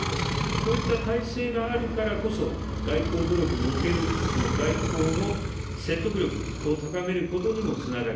こういった体制があるからこそ、外交努力における外交の説得力を高めることにもつながる。